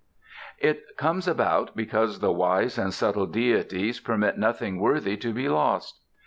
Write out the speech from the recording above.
It comes about because the wise and subtle deities permit nothing worthy to be lost.